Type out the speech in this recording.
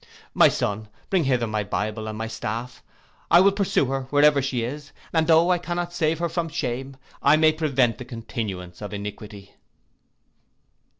My son, bring hither my Bible and my staff, I will pursue her, wherever she is, and tho' I cannot save her from shame, I may prevent the continuance of iniquity.